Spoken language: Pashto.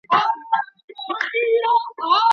ولي په آنلاین زده کړه کي د حضوري ټولګیو په څیر احساس نسته؟